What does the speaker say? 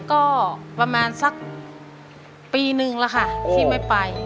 ก็ประมาณสักปีนึงแล้วค่ะที่ไม่ไป